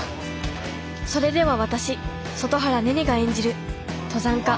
それでは私外原寧々が演じる登山家